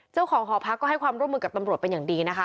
เจ้าของหอพักก็ให้ความร่วมมือกับตำรวจเป็นอย่างดีนะคะ